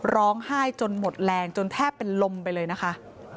ร้องไห้จนหมดแรงจนแทบเป็นลมไปเลยนะคะ